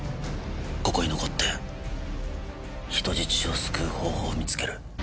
ここに残って人質を救う方法を見つける。